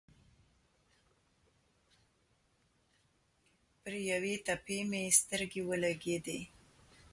پر یوې تپې مې سترګې ولګېدې.